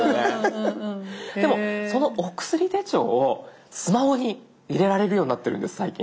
でもそのお薬手帳をスマホに入れられるようになってるんです最近。